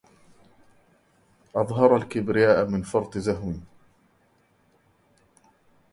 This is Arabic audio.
أظهر الكبرياء من فرط زهو